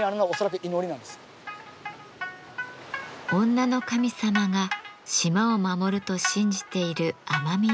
女の神様が島を守ると信じている奄美大島の人々。